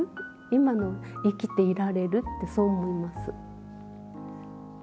今も生きていられるってそう思います。